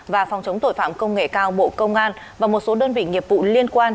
và phòng chống tội phạm công nghệ cao bộ công an và một số đơn vị nghiệp vụ liên quan